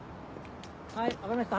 はい分かりました